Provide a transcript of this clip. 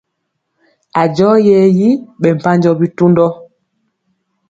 A jɔ ye yi ɓɛ mpanjɔ bitundɔ.